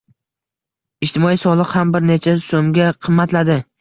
Ijtimoiy soliq ham bir necha soʻmga qimmatladi